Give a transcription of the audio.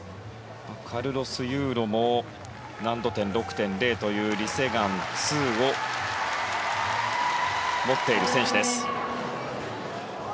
カルロス・ユーロも難度点、６．０というリ・セグァン２を持っている選手です。